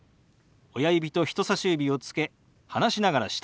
親指と人さし指をつけ離しながら下へ動かします。